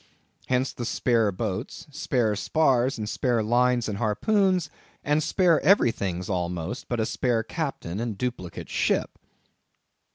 Hence, the spare boats, spare spars, and spare lines and harpoons, and spare everythings, almost, but a spare Captain and duplicate ship.